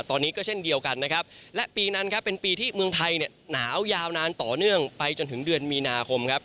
ตอนนี้ก็เช่นเดียวกันนะครับและปีนั้นครับเป็นปีที่เมืองไทยเนี่ยหนาวยาวนานต่อเนื่องไปจนถึงเดือนมีนาคมครับ